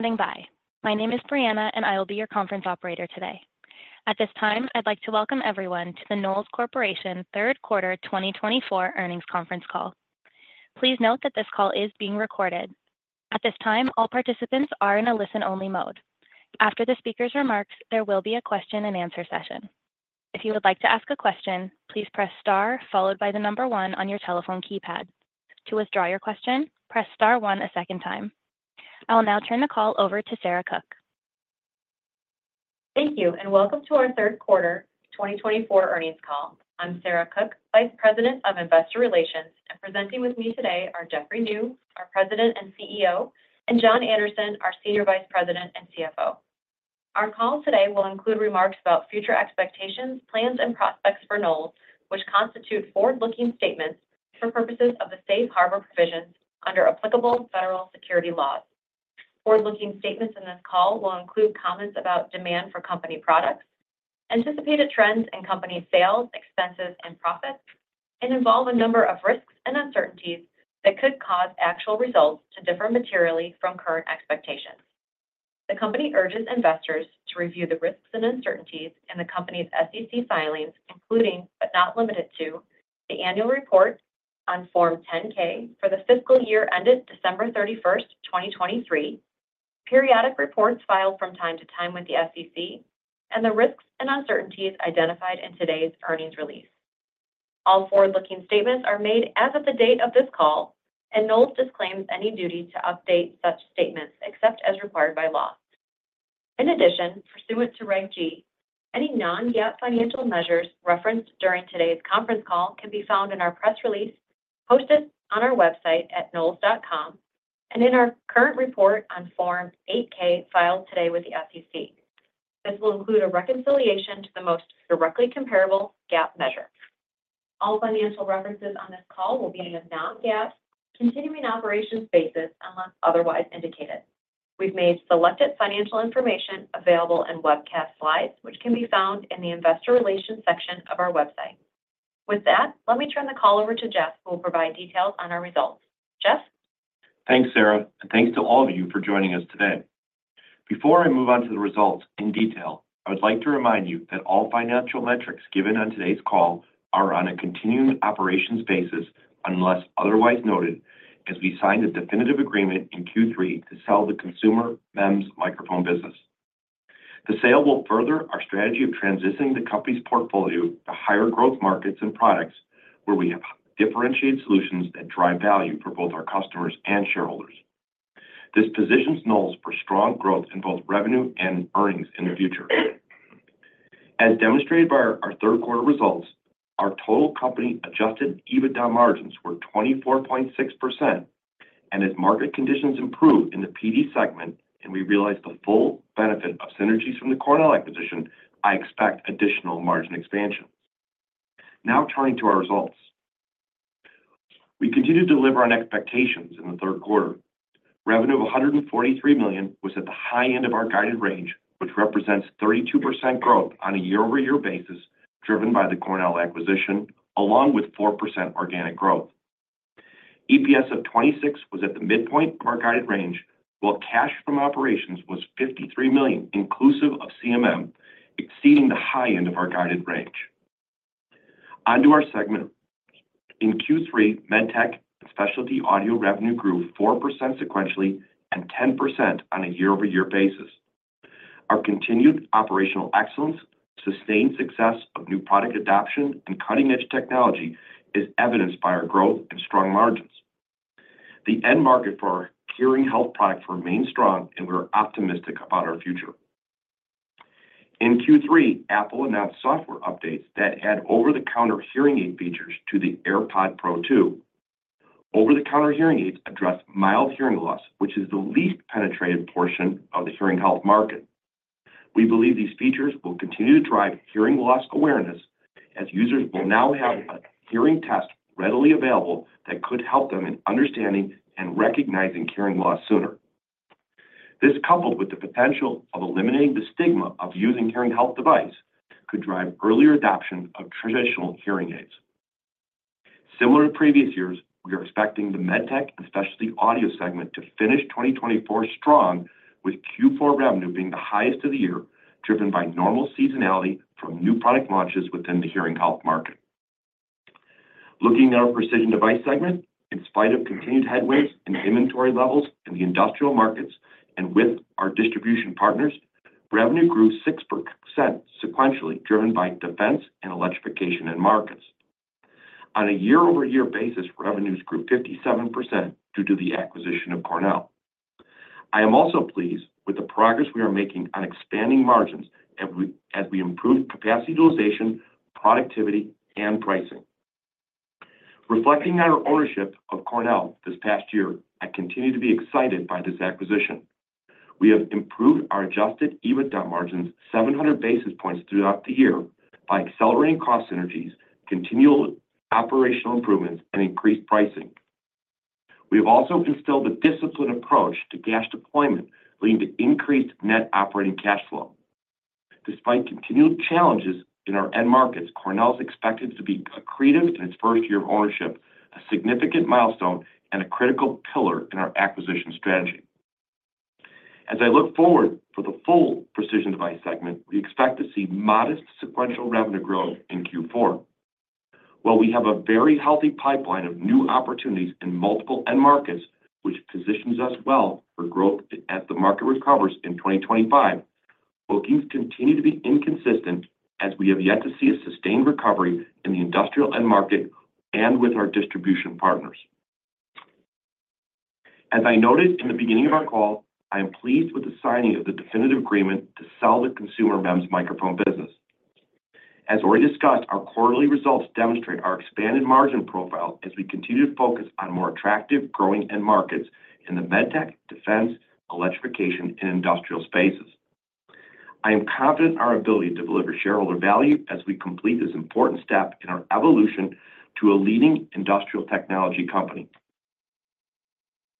Standing by. My name is Brianna, and I will be your conference operator today. At this time, I'd like to welcome everyone to the Knowles Corporation Third Quarter 2024 Earnings Conference Call. Please note that this call is being recorded. At this time, all participants are in a listen-only mode. After the speaker's remarks, there will be a question-and-answer session. If you would like to ask a question, please press star followed by the number one on your telephone keypad. To withdraw your question, press star one a second time. I will now turn the call over to Sarah Cook. Thank you, and welcome to our 3rd Quarter 2024 Earnings call. I'm Sarah Cook, Vice President of Investor Relations, and presenting with me today are Jeffrey Niew, our President and CEO, and John Anderson, our Senior Vice President and CFO. Our call today will include remarks about future expectations, plans, and prospects for Knowles, which constitute forward-looking statements for purposes of the safe harbor provisions under applicable federal securities laws. Forward-looking statements in this call will include comments about demand for company products, anticipated trends in company sales, expenses, and profits, and involve a number of risks and uncertainties that could cause actual results to differ materially from current expectations. The company urges investors to review the risks and uncertainties in the company's SEC filings, including, but not limited to, the annual report on Form 10-K for the fiscal year ended December thirty-first, twenty twenty-three, periodic reports filed from time to time with the SEC, and the risks and uncertainties identified in today's earnings release. All forward-looking statements are made as of the date of this call, and Knowles disclaims any duty to update such statements except as required by law. In addition, pursuant to Reg G, any non-GAAP financial measures referenced during today's conference call can be found in our press release posted on our website at knowles.com and in our current report on Form 8-K, filed today with the SEC. This will include a reconciliation to the most directly comparable GAAP measure. All financial references on this call will be on a Non-GAAP continuing operations basis, unless otherwise indicated. We've made selected financial information available in webcast slides, which can be found in the investor relations section of our website. With that, let me turn the call over to Jeff, who will provide details on our results. Jeff? Thanks, Sarah, and thanks to all of you for joining us today. Before I move on to the results in detail, I would like to remind you that all financial metrics given on today's call are on a continuing operations basis, unless otherwise noted, as we signed a definitive agreement in Q3 to sell the Consumer MEMS Microphones business. The sale will further our strategy of transitioning the company's portfolio to higher growth markets and products, where we have differentiated solutions that drive value for both our customers and shareholders. This positions Knowles for strong growth in both revenue and earnings in the future. As demonstrated by our third quarter results, our total company adjusted EBITDA margins were 24.6%, and as market conditions improve in the PD segment and we realize the full benefit of synergies from the Cornell acquisition, I expect additional margin expansion. Now, turning to our results. We continued to deliver on expectations in the third quarter. Revenue of $143 million was at the high end of our guided range, which represents 32% growth on a year-over-year basis, driven by the Cornell acquisition, along with 4% organic growth. EPS of $0.26 was at the midpoint of our guided range, while cash from operations was $53 million, inclusive of CMM, exceeding the high end of our guided range. On to our segment. In Q3, MedTech and Specialty Audio revenue grew 4% sequentially and 10% on a year-over-year basis. Our continued operational excellence, sustained success of new product adoption, and cutting-edge technology is evidenced by our growth and strong margins. The end market for our hearing health product remains strong, and we are optimistic about our future. In Q3, Apple announced software updates that add over-the-counter hearing aid features to the AirPods Pro 2. Over-the-counter hearing aids address mild hearing loss, which is the least penetrated portion of the hearing health market. We believe these features will continue to drive hearing loss awareness, as users will now have a hearing test readily available that could help them in understanding and recognizing hearing loss sooner. This, coupled with the potential of eliminating the stigma of using hearing health device, could drive earlier adoption of traditional hearing aids. Similar to previous years, we are expecting the MedTech and Specialty Audio segment to finish 2024 strong, with Q4 revenue being the highest of the year, driven by normal seasonality from new product launches within the hearing health market. Looking at our Precision Devices segment, in spite of continued headwinds in inventory levels in the industrial markets and with our distribution partners, revenue grew 6% sequentially, driven by defense and electrification end markets. On a year-over-year basis, revenues grew 57% due to the acquisition of Cornell. I am also pleased with the progress we are making on expanding margins as we improve capacity utilization, productivity, and pricing. Reflecting on our ownership of Cornell this past year, I continue to be excited by this acquisition. We have improved our adjusted EBITDA margins seven hundred basis points throughout the year by accelerating cost synergies, continual operational improvements, and increased pricing. We have also instilled a disciplined approach to cash deployment, leading to increased net operating cash flow... Despite continued challenges in our end markets, Cornell is expected to be accretive in its first year of ownership, a significant milestone and a critical pillar in our acquisition strategy. As I look forward for the full Precision Devices segment, we expect to see modest sequential revenue growth in Q4. While we have a very healthy pipeline of new opportunities in multiple end markets, which positions us well for growth as the market recovers in 2025, bookings continue to be inconsistent as we have yet to see a sustained recovery in the industrial end market and with our distribution partners. As I noted in the beginning of our call, I am pleased with the signing of the definitive agreement to sell the Consumer MEMS Microphones business. As already discussed, our quarterly results demonstrate our expanded margin profile as we continue to focus on more attractive growing end markets in the MedTech, defense, electrification, and industrial spaces. I am confident in our ability to deliver shareholder value as we complete this important step in our evolution to a leading industrial technology company.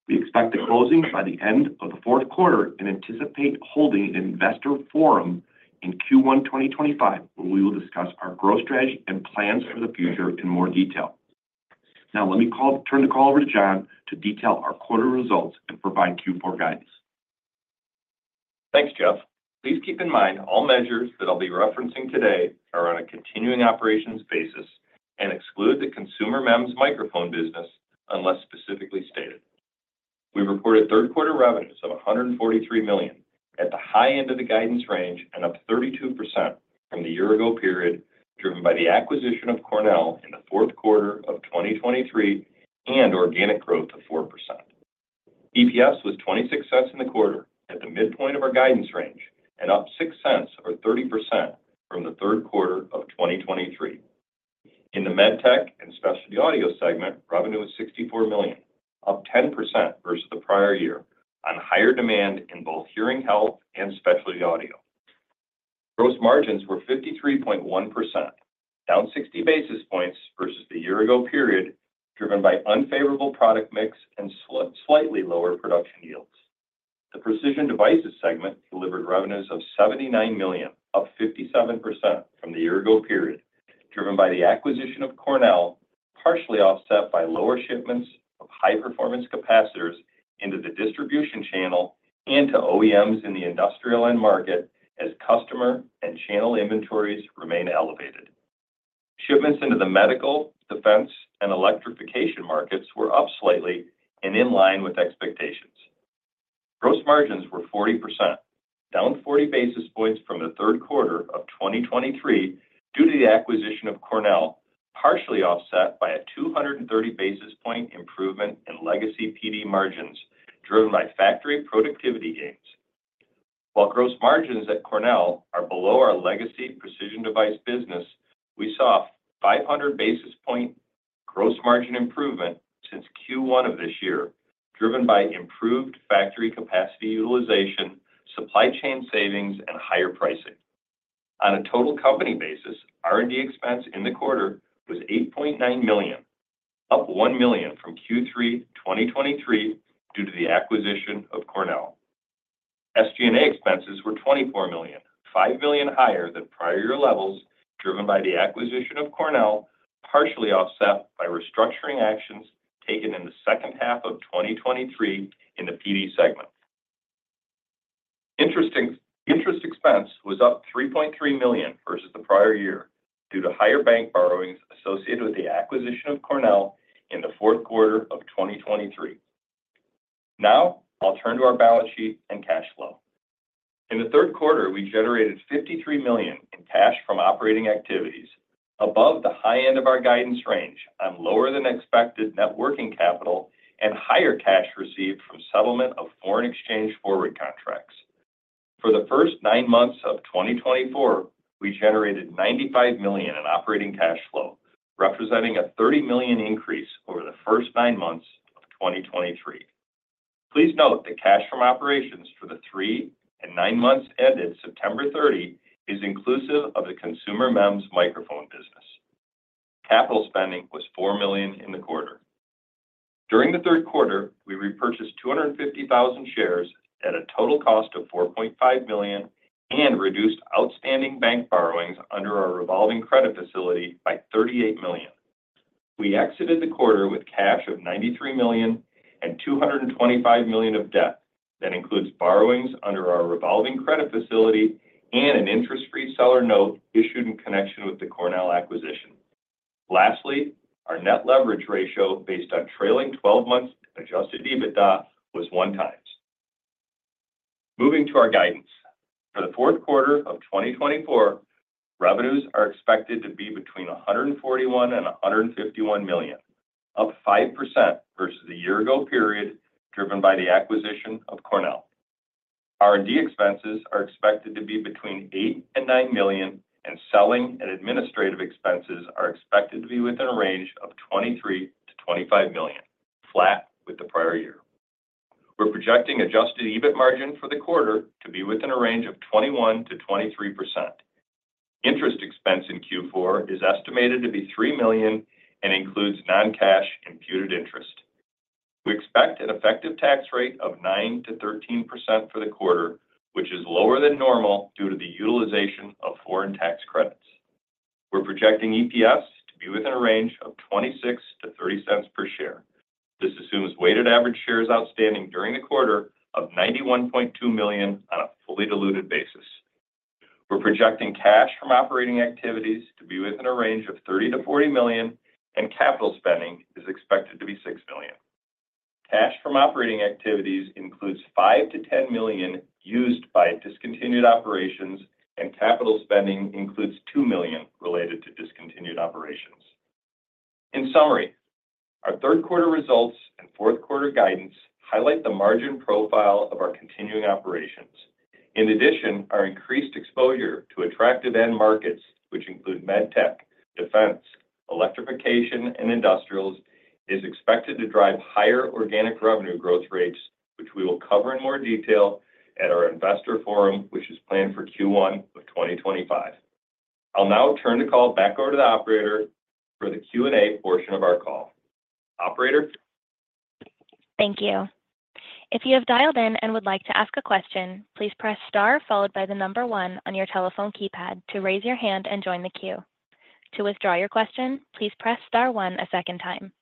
We expect the closing by the end of the fourth quarter and anticipate holding an investor forum in Q1 2025, where we will discuss our growth strategy and plans for the future in more detail. Now, let me turn the call over to John to detail our quarter results and provide Q4 guidance. Thanks, Jeff. Please keep in mind all measures that I'll be referencing today are on a continuing operations basis and exclude the Consumer MEMS Microphones business, unless specifically stated. We reported third quarter revenues of $143 million, at the high end of the guidance range and up 32% from the year ago period, driven by the acquisition of Cornell in the fourth quarter of 2023, and organic growth of 4%. EPS was $0.26 in the quarter, at the midpoint of our guidance range, and up $0.06 or 30% from the third quarter of 2023. In the MedTech and Specialty Audio segment, revenue was $64 million, up 10% versus the prior year on higher demand in both hearing health and specialty audio. Gross margins were 53.1%, down 60 basis points versus the year ago period, driven by unfavorable product mix and slightly lower production yields. The Precision Devices segment delivered revenues of $79 million, up 57% from the year ago period, driven by the acquisition of Cornell, partially offset by lower shipments of high-performance capacitors into the distribution channel and to OEMs in the industrial end market, as customer and channel inventories remain elevated. Shipments into the medical, defense, and electrification markets were up slightly and in line with expectations. Gross margins were 40%, down 40 basis points from the third quarter of 2023 due to the acquisition of Cornell, partially offset by a 230 basis point improvement in legacy PD margins, driven by factory productivity gains. While gross margins at Cornell are below our legacy precision device business, we saw a five hundred basis point gross margin improvement since Q1 of this year, driven by improved factory capacity utilization, supply chain savings, and higher pricing. On a total company basis, R&D expense in the quarter was $8.9 million, up $1 million from Q3 2023 due to the acquisition of Cornell. SG&A expenses were $24 million, $5 million higher than prior year levels, driven by the acquisition of Cornell, partially offset by restructuring actions taken in the second half of 2023 in the PD segment. Interest expense was up $3.3 million versus the prior year due to higher bank borrowings associated with the acquisition of Cornell in the fourth quarter of 2023. Now, I'll turn to our balance sheet and cash flow. In the third quarter, we generated $53 million in cash from operating activities above the high end of our guidance range on lower than expected net working capital and higher cash received from settlement of foreign exchange forward contracts. For the first nine months of 2024, we generated $95 million in operating cash flow, representing a $30 million increase over the first nine months of 2023. Please note that cash from operations for the three and nine months ended September 30 is inclusive of the Consumer MEMS Microphone business. Capital spending was $4 million in the quarter. During the third quarter, we repurchased 250,000 shares at a total cost of $4.5 million and reduced outstanding bank borrowings under our revolving credit facility by $38 million. We exited the quarter with cash of $93 million and $225 million of debt. That includes borrowings under our revolving credit facility and an interest-free seller note issued in connection with the Cornell acquisition. Lastly, our net leverage ratio, based on trailing twelve months adjusted EBITDA, was one times. Moving to our guidance. For the fourth quarter of 2024, revenues are expected to be between $141 million and $151 million, up 5% versus the year ago period, driven by the acquisition of Cornell. R&D expenses are expected to be between $8 million and $9 million, and selling and administrative expenses are expected to be within a range of $23 million-$25 million, flat with the prior year. We're projecting adjusted EBIT margin for the quarter to be within a range of 21%-23%. Interest expense in Q4 is estimated to be $3 million and includes non-cash imputed interest. We expect an effective tax rate of 9%-13% for the quarter, which is lower than normal due to the utilization of foreign tax credits. We're projecting EPS to be within a range of $0.26-$0.30 per share. This assumes weighted average shares outstanding during the quarter of 91.2 million on a fully diluted basis. We're projecting cash from operating activities to be within a range of $30 million-$40 million, and capital spending is expected to be $6 million. Cash from operating activities includes $5 million-$10 million used by discontinued operations, and capital spending includes $2 million related to discontinued operations. In summary, our third quarter results and fourth quarter guidance highlight the margin profile of our continuing operations. In addition, our increased exposure to attractive end markets, which include MedTech, defense, electrification, and industrials, is expected to drive higher organic revenue growth rates, which we will cover in more detail at our investor forum, which is planned for Q1 of 2025. I'll now turn the call back over to the operator for the Q&A portion of our call. Operator? Thank you. If you have dialed in and would like to ask a question, please press star followed by the number one on your telephone keypad to raise your hand and join the queue. To withdraw your question, please press star one a second time.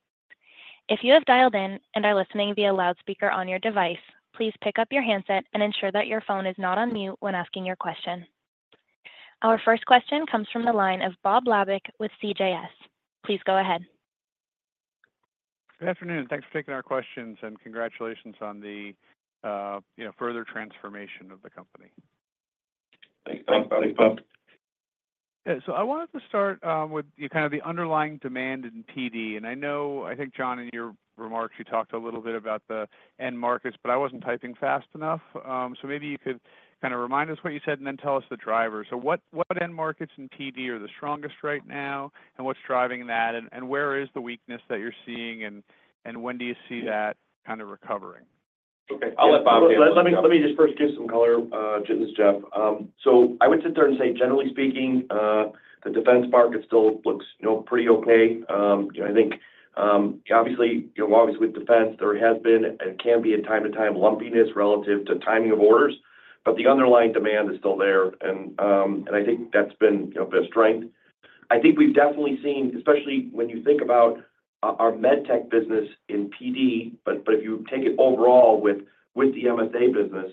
If you have dialed in and are listening via loudspeaker on your device, please pick up your handset and ensure that your phone is not on mute when asking your question. Our first question comes from the line of Bob Labick with CJS. Please go ahead. Good afternoon, and thanks for taking our questions, and congratulations on the, you know, further transformation of the company. Thanks. Thanks, Bob. Yeah. So I wanted to start with kind of the underlying demand in PD. And I know... I think, John, in your remarks, you talked a little bit about the end markets, but I wasn't typing fast enough. So maybe you could kind of remind us what you said and then tell us the drivers. So what end markets in PD are the strongest right now, and what's driving that, and where is the weakness that you're seeing, and when do you see that kind of recovering? Okay, I'll let Bob handle this, John. Let me, let me just first give some color to this, Jeff. So I would sit there and say, generally speaking, the defense market still looks, you know, pretty okay. I think, obviously, you know, obviously with defense, there has been and can be a time to time lumpiness relative to timing of orders, but the underlying demand is still there, and, and I think that's been, you know, the strength. I think we've definitely seen, especially when you think about our MedTech business in PD, but if you take it overall with the MSA business,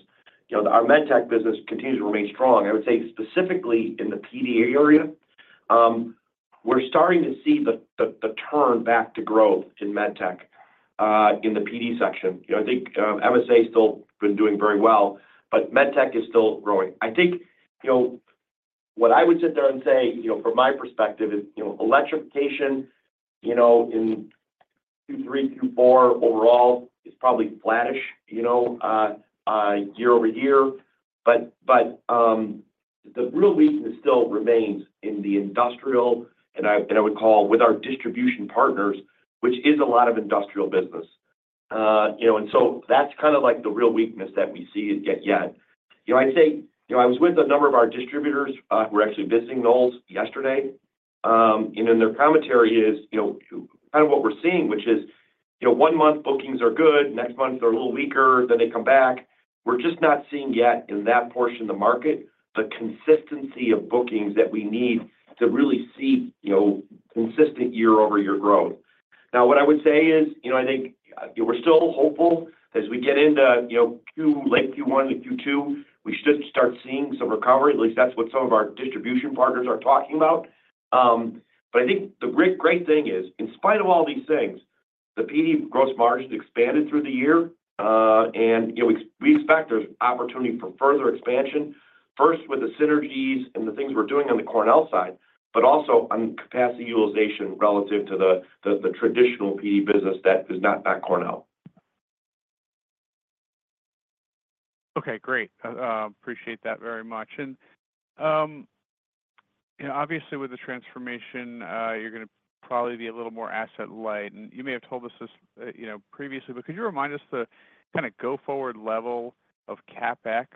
you know, our MedTech business continues to remain strong. I would say specifically in the PD area, we're starting to see the turn back to growth in MedTech in the PD section. You know, I think MSA still been doing very well, but MedTech is still growing. I think, you know, what I would sit there and say, you know, from my perspective is, you know, electrification, you know, in Q3, Q4 overall is probably flattish, you know, year over year, but the real weakness still remains in the industrial, and I would call with our distribution partners, which is a lot of industrial business. You know, and so that's kind of like the real weakness that we see yet. You know, I'd say. You know, I was with a number of our distributors, we're actually visiting Knowles yesterday, and then their commentary is, you know, kind of what we're seeing, which is, you know, one month bookings are good, next month they're a little weaker, then they come back. We're just not seeing yet in that portion of the market, the consistency of bookings that we need to really see, you know, consistent year-over-year growth. Now, what I would say is, you know, I think, you know, we're still hopeful as we get into, you know, late Q1 and Q2, we should start seeing some recovery. At least that's what some of our distribution partners are talking about. But I think the great, great thing is, in spite of all these things, the PD gross margin expanded through the year, and, you know, we expect there's opportunity for further expansion, first with the synergies and the things we're doing on the Cornell side, but also on capacity utilization relative to the traditional PD business that is not Cornell. Okay, great. Appreciate that very much. And, you know, obviously with the transformation, you're gonna probably be a little more asset light, and you may have told us this, you know, previously, but could you remind us the kind of go-forward level of CapEx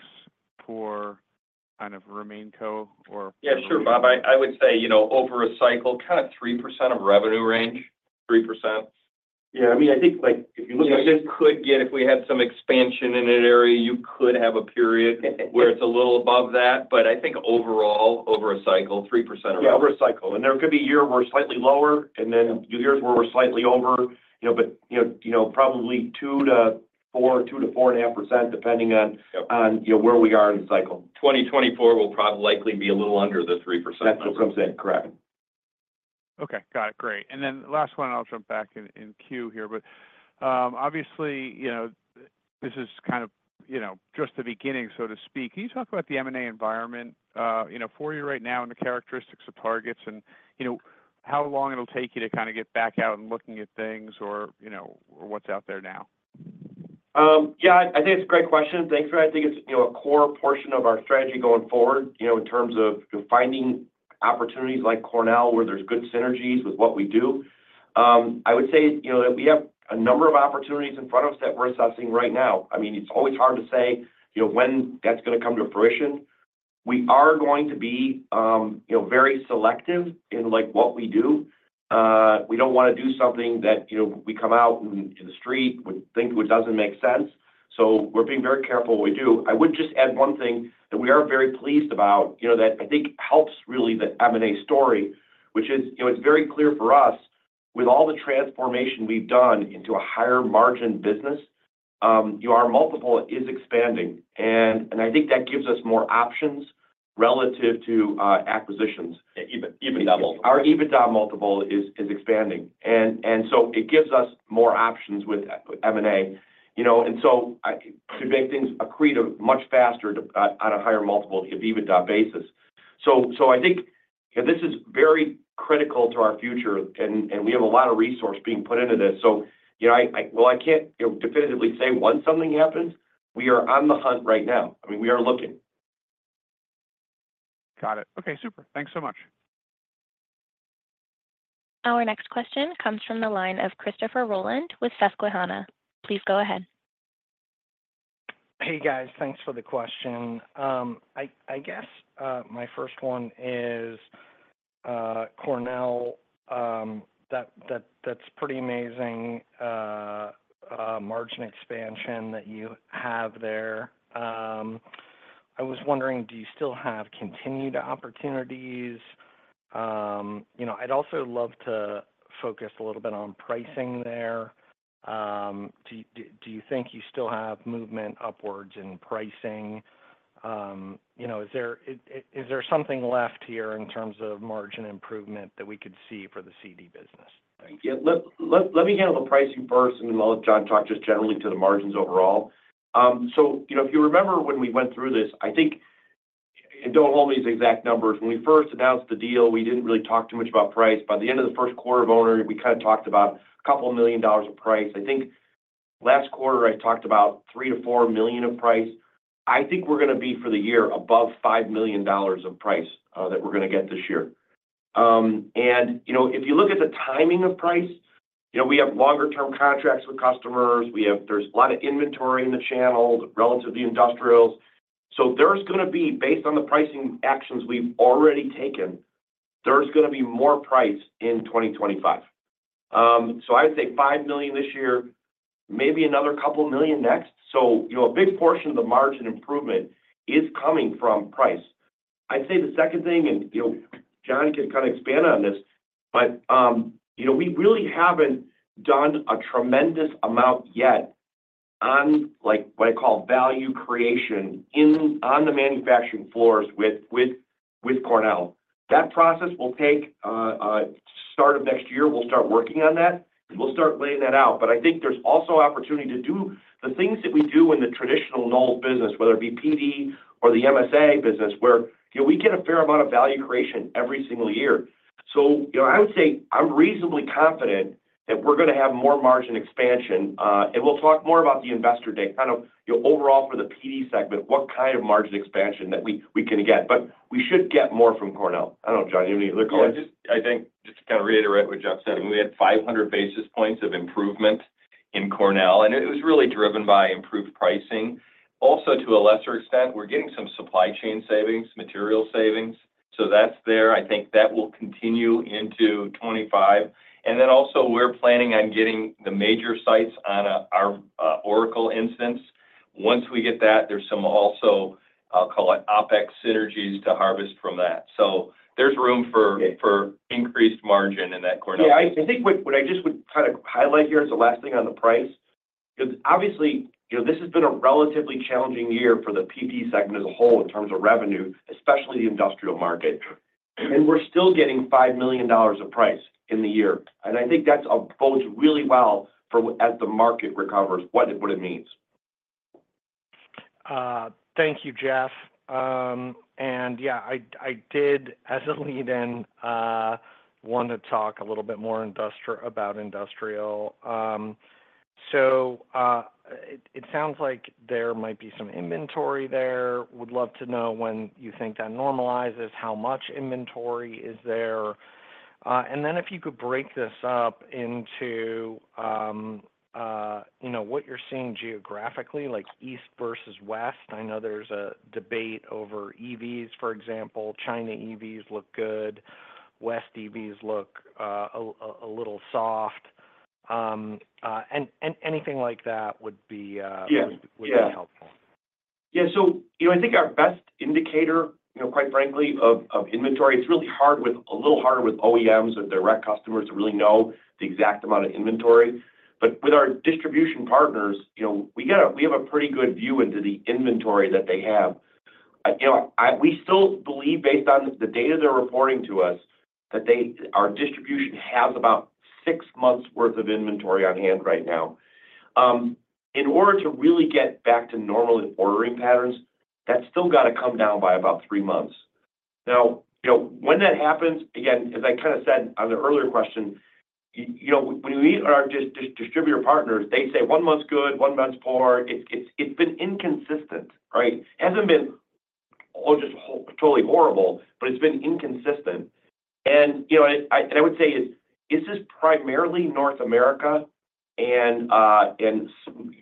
for kind of RemainCo or? Yeah, sure, Bob. I would say, you know, over a cycle, kind of 3% of revenue range, 3%. Yeah, I mean, I think, like, if you look at this- You could get, if we had some expansion in that area, you could have a period where it's a little above that, but I think overall, over a cycle, 3% of revenue. Yeah, over a cycle. And there could be a year where we're slightly lower, and then years where we're slightly over, you know, but, you know, probably 2% to 4%, 2% to 4.5%, depending on- Yep on, you know, where we are in the cycle. 2024 will probably likely be a little under the 3%. That's what I'm saying. Correct. Okay. Got it, great. And then last one, and I'll jump back in, in queue here, but, obviously, you know, this is kind of, you know, just the beginning, so to speak. Can you talk about the M&A environment, you know, for you right now and the characteristics of targets and, you know, how long it'll take you to kind of get back out and looking at things or, you know, or what's out there now? Yeah, I think it's a great question. Thanks for that. I think it's, you know, a core portion of our strategy going forward, you know, in terms of finding opportunities like Cornell, where there's good synergies with what we do. I would say, you know, that we have a number of opportunities in front of us that we're assessing right now. I mean, it's always hard to say, you know, when that's gonna come to fruition. We are going to be, you know, very selective in, like, what we do. We don't wanna do something that, you know, we come out in the street, we think which doesn't make sense, so we're being very careful what we do. I would just add one thing that we are very pleased about, you know, that I think helps really the M&A story, which is, you know, it's very clear for us, with all the transformation we've done into a higher margin business, our multiple is expanding, and I think that gives us more options relative to acquisitions. EBIT, EBITDA multiple. Our EBITDA multiple is expanding, and so it gives us more options with M&A, you know, and so I to make things accrete a much faster on a higher multiple EBITDA basis. So I think this is very critical to our future, and we have a lot of resources being put into this. So, you know, While I can't definitively say when something happens, we are on the hunt right now. I mean, we are looking. Got it. Okay, super. Thanks so much. Our next question comes from the line of Christopher Rolland with Susquehanna. Please go ahead. Hey, guys. Thanks for the question. I guess my first one is Cornell. That's pretty amazing margin expansion that you have there. I was wondering, do you still have continued opportunities? You know, I'd also love to focus a little bit on pricing there. Do you think you still have movement upwards in pricing? You know, is there something left here in terms of margin improvement that we could see for the CD business? Yeah, let me handle the pricing first, and then I'll let John talk just generally to the margins overall. So, you know, if you remember when we went through this, I think, and don't hold me to the exact numbers, when we first announced the deal, we didn't really talk too much about price. By the end of the first quarter of ownership, we kind of talked about a couple million dollars of price. I think last quarter I talked about 3-4 million of price. I think we're gonna be, for the year, above $5 million of price that we're gonna get this year. And, you know, if you look at the timing of price, you know, we have longer term contracts with customers. There's a lot of inventory in the channels relative to industrials, so there's gonna be, based on the pricing actions we've already taken, there's gonna be more price in twenty twenty-five, so I would say $5 million this year, maybe another $2 million next, you know, a big portion of the margin improvement is coming from price. I'd say the second thing, and, you know, John can kind of expand on this, but, you know, we really haven't done a tremendous amount yet on, like, what I call value creation on the manufacturing floors with Cornell. That process will take start of next year, we'll start working on that. We'll start laying that out. But I think there's also opportunity to do the things that we do in the traditional Knowles business, whether it be PD or the MSA business, where, you know, we get a fair amount of value creation every single year. So, you know, I would say I'm reasonably confident that we're gonna have more margin expansion, and we'll talk more about the investor day, kind of, you know, overall for the PD segment, what kind of margin expansion that we can get. But we should get more from Cornell. I don't know, John, do you have any other comments? Yeah, just I think, just to kind of reiterate what Jeff said, I mean, we had 500 basis points of improvement in Cornell, and it was really driven by improved pricing. Also, to a lesser extent, we're getting some supply chain savings, material savings, so that's there. I think that will continue into 2025. And then also, we're planning on getting the major sites on our Oracle instance. Once we get that, there's some also, I'll call it OpEx synergies, to harvest from that. So there's room for- Yeah... for increased margin in that Cornell. Yeah, I think what I just would kind of highlight here as the last thing on the price, because obviously, you know, this has been a relatively challenging year for the PD segment as a whole in terms of revenue, especially the industrial market, and we're still getting $5 million of price in the year. And I think that's bodes really well for as the market recovers, what it means. Thank you, Jeff. And yeah, I did, as a lead in, want to talk a little bit more about industrial. So, it sounds like there might be some inventory there. Would love to know when you think that normalizes, how much inventory is there? And then if you could break this up into, you know, what you're seeing geographically, like east versus west. I know there's a debate over EVs, for example. China EVs look good, West EVs look a little soft, and anything like that would be. Yes... would be helpful. Yeah. So, you know, I think our best indicator, you know, quite frankly, of inventory, it's really hard with a little harder with OEMs or direct customers to really know the exact amount of inventory. But with our distribution partners, you know, we get a, we have a pretty good view into the inventory that they have. You know, We still believe, based on the data they're reporting to us, that they, our distribution has about six months' worth of inventory on hand right now. In order to really get back to normal ordering patterns, that's still got to come down by about three months. Now, you know, when that happens, again, as I kind of said on the earlier question, you know, when we meet our distributor partners, they say one month's good, one month's poor. It's been inconsistent, right? Oh, just totally horrible, but it's been inconsistent. And, you know, this is primarily North America and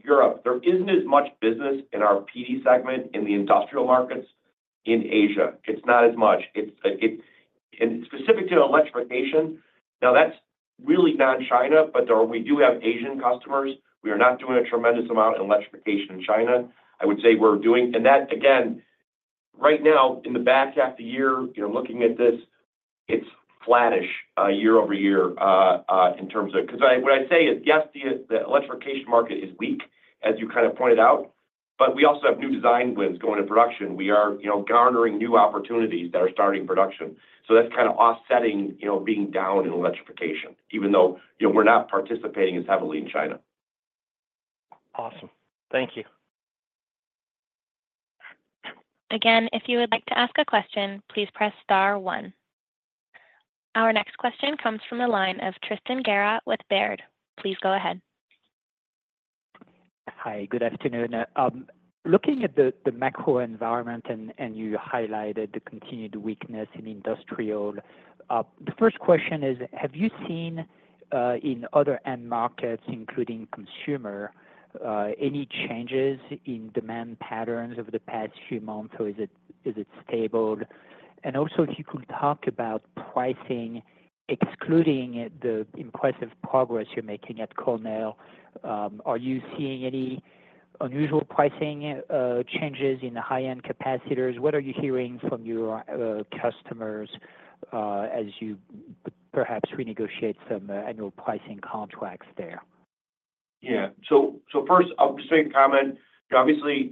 Europe. There isn't as much business in our PD segment in the industrial markets in Asia. It's not as much. It's, like, and specific to electrification, now, that's really not China, but there we do have Asian customers. We are not doing a tremendous amount in electrification in China. I would say we're doing, and that, again, right now, in the back half of the year, you know, looking at this, it's flattish year over year in terms of. 'Cause what I'd say is, yes, the electrification market is weak, as you kind of pointed out, but we also have new design wins going to production. We are, you know, garnering new opportunities that are starting production. So that's kind of offsetting, you know, being down in electrification, even though, you know, we're not participating as heavily in China. Awesome. Thank you. Again, if you would like to ask a question, please press star one. Our next question comes from the line of Tristan Gerra with Baird. Please go ahead. Hi, good afternoon. Looking at the macro environment, and you highlighted the continued weakness in industrial. The first question is: have you seen in other end markets, including consumer, any changes in demand patterns over the past few months, or is it stable? And also, if you could talk about pricing, excluding the impressive progress you're making at Cornell, are you seeing any unusual pricing changes in the high-end capacitors? What are you hearing from your customers as you perhaps renegotiate some annual pricing contracts there? Yeah. So first, I'll just make a comment. Obviously,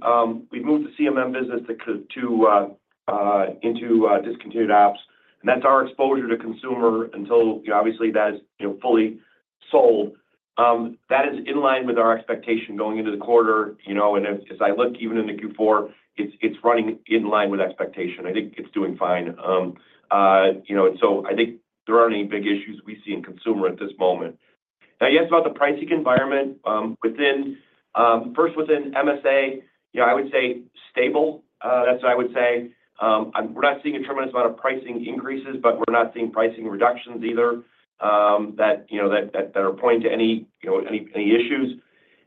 we've moved the CMM business to discontinued ops, and that's our exposure to consumer until, you know, obviously, that is, you know, fully sold. That is in line with our expectation going into the quarter, you know, and as I look, even in the Q4, it's running in line with expectation. I think it's doing fine. You know, and so I think there aren't any big issues we see in consumer at this moment. Now, you asked about the pricing environment, within first within MSA, you know, I would say stable. That's what I would say. We're not seeing a tremendous amount of pricing increases, but we're not seeing pricing reductions either, that you know that are pointing to any you know any issues,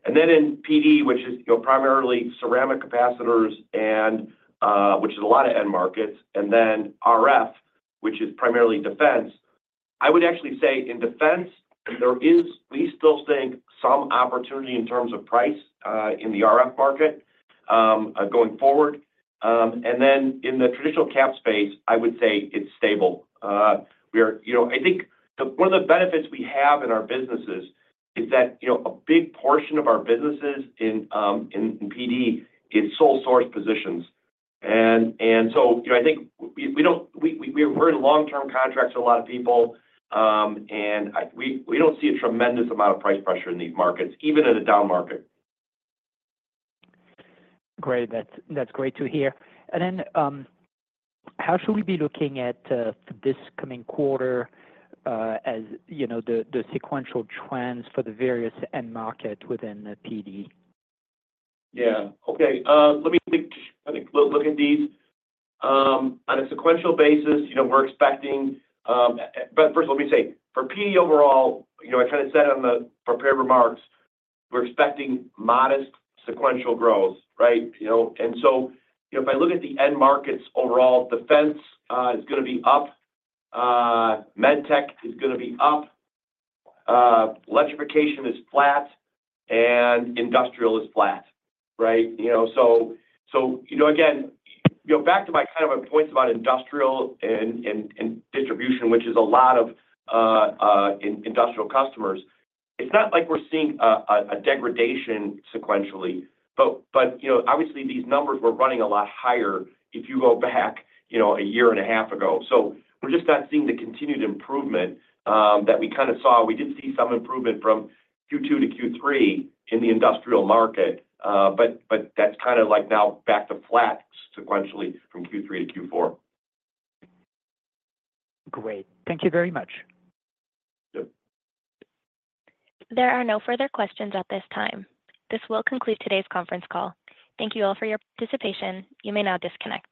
and then in PD, which is you know primarily ceramic capacitors and which is a lot of end markets, and then RF, which is primarily defense. I would actually say in defense, there is we still think some opportunity in terms of price in the RF market going forward, and then in the traditional cap space, I would say it's stable. You know, I think the one of the benefits we have in our businesses is that you know a big portion of our businesses in PD is sole source positions. You know, I think we're in long-term contracts with a lot of people, and we don't see a tremendous amount of price pressure in these markets, even in a down market. Great. That's, that's great to hear. And then, how should we be looking at this coming quarter, as you know, the sequential trends for the various end market within the PD? Yeah. Okay, let me think. Let me look at these. On a sequential basis, you know, we're expecting, but first, let me say, for PD overall, you know, I kind of said on the prepared remarks, we're expecting modest sequential growth, right? You know, and so, you know, if I look at the end markets overall, defense is gonna be up, MedTech is gonna be up, electrification is flat, and industrial is flat, right? You know, so, you know, again, you know, back to my kind of a point about industrial and distribution, which is a lot of industrial customers. It's not like we're seeing a degradation sequentially, but, you know, obviously, these numbers were running a lot higher if you go back, you know, a year and a half ago. We're just not seeing the continued improvement that we kinda saw. We did see some improvement from Q2 to Q3 in the industrial market, but that's kinda like now back to flat sequentially from Q3 to Q4. Great. Thank you very much. Yep. There are no further questions at this time. This will conclude today's conference call. Thank you all for your participation. You may now disconnect.